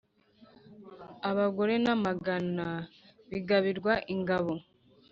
abagore n’amagana bigabirwa ingabo